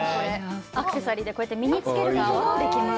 アクセサリーで身につけることもできます。